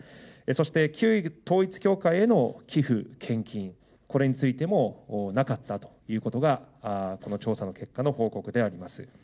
そして旧統一教会への寄付、献金、これについてもなかったということが、この調査の結果の報告であります。